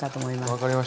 分かりました。